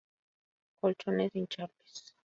Colchones hinchables.